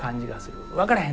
で分からへん。